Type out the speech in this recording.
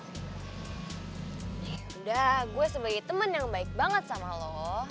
yaudah gue sebagai temen yang baik banget sama lo